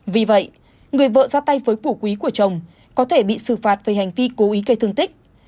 vì vậy người vợ ra tay với phủ quý của chồng có thể bị xử phạt về hành vi cố ý gây thương tích